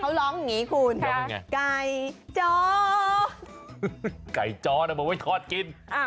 เขาร้องอย่างนี้คุณไก่จ้อไก่จ้อไก่จ้อน่ะเบาไว้ทอดกิน